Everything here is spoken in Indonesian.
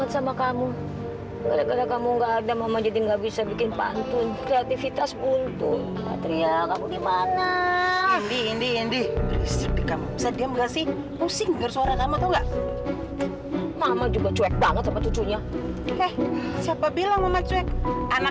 sampai jumpa di video selanjutnya